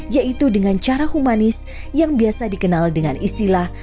yaitu dengan cara humanis yang biasa dikenal dengan istilah